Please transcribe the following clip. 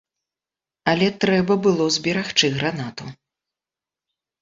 Але трэба было зберагчы гранату.